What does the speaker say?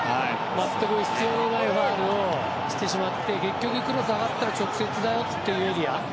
全く必要のないファウルをしてしまって結局クロスを上げる直接というエリア。